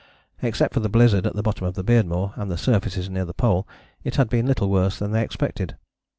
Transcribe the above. Except for the blizzard at the bottom of the Beardmore and the surfaces near the Pole it had been little worse than they expected.